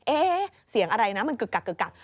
เอ๊ะเสียงอะไรนะมันกึกกักกึกกัก